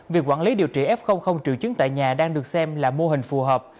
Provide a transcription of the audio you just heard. việc quản lý điều trị f triệu chứng tại nhà đang được xem là mô hình phù hợp